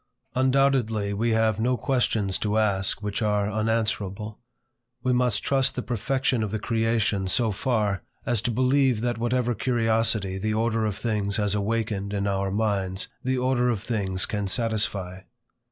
Undoubtedly we have no questions to ask which are unanswerable. We must trust the perfection of the creation so far, as to believe that whatever curiosity the order of things has awakened in our minds, the order of things can satisfy.